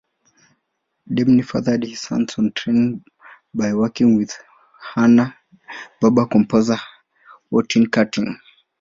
Debney furthered his hands-on training by working with Hanna-Barbera composer Hoyt Curtin.